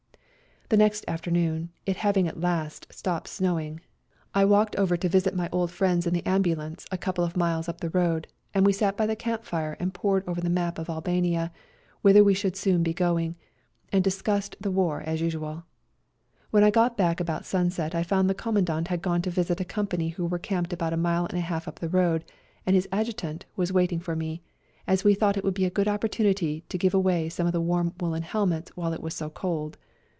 The next afternoon, it having at last stopped snowing, I walked over to visit 00 CO > J < w A COLD NIGHT RIDE 85 my old friends in the ambulance a couple of miles up the road, and we sat by the camp fire and pored over the map of Albania, whither we should soon be going, and discussed the war as usual. When I got back about sunset I found the Com mandant had gone to visit a company who were camped about a mile and a half up the road, and his Adjutant was waiting for me, as we thought it would be a good opportunity to give away some of the warm woollen helmets while it was so cold.